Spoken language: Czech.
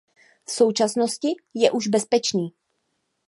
V současnosti je už bezpečný.